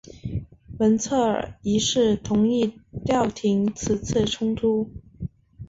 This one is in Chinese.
文策尔一世同意调停此次冲突。